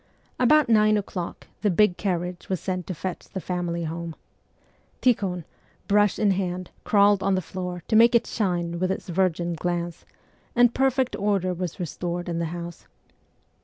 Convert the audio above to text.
About nine o'clock the big carriage was sent to fetch the family home. Tikhon, brush in hand, crawled on the floor, to make it shine with its virgin glance, and perfect order was restored in the house.